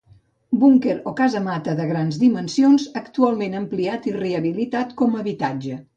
Búnquer o casamata de grans dimensions, actualment ampliat i rehabilitat com a habitatge.